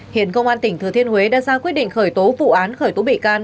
hiện công an tỉnh thừa thiên huế đã ra quyết định khởi tố vụ án khởi tố bị can